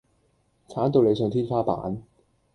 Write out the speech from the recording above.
鏟到你上天花板